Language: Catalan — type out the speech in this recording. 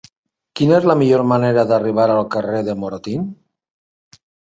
Quina és la millor manera d'arribar al carrer de Moratín?